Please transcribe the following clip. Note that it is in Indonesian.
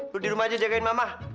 lu di rumah aja jagain mama